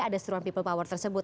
ada strum people power tersebut